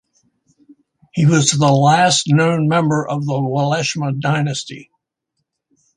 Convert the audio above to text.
He was the last known member of the Walashma dynasty.